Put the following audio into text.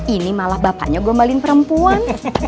ini malah bapaknya gombalin perempuan